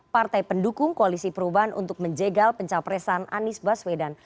partai pendukung koalisi perubahan untuk menjegal pencapresan anies baswedan